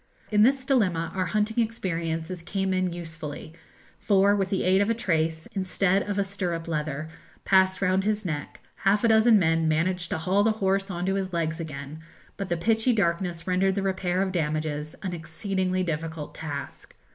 In this dilemma our hunting experiences came in usefully, for with the aid of a trace, instead of a stirrup leather, passed round his neck, half a dozen men managed to haul the horse on to his legs again; but the pitchy darkness rendered the repair of damages an exceedingly difficult task.